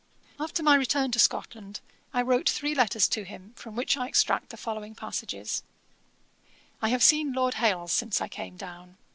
After my return to Scotland, I wrote three letters to him, from which I extract the following passages: 'I have seen Lord Hailes since I came down.